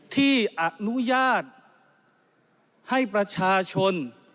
ที่อนุญาตให้ประชาชน